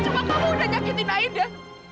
cuma kamu udah nyakitin aida